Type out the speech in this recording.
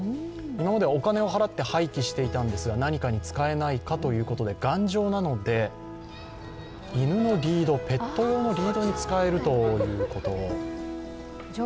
今まではお金を払って廃棄していたんですが、何かに使えないかということで頑丈なので犬のリード、ペット用のリードに使えるということ。